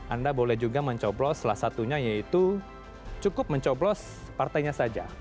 anda boleh juga mencoblos salah satunya yaitu cukup mencoblos partainya saja